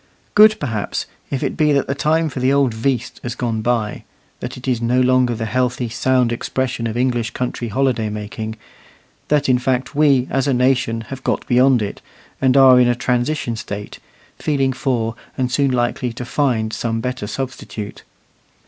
Good, perhaps, if it be that the time for the old "veast" has gone by; that it is no longer the healthy, sound expression of English country holiday making; that, in fact, we, as a nation, have got beyond it, and are in a transition state, feeling for and soon likely to find some better substitute.